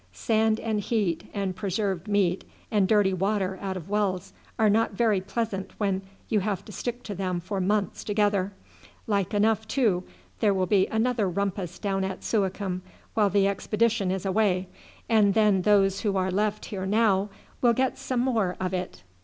Sand and heat, and preserved meat and dirty water out of wells, are not very pleasant when you have to stick to them for months together. Like enough, too, there will be another rumpus down at Suakim while the expedition is away, and then those who are left here now will get some more of it."